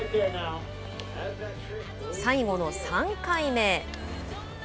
最後の３回目。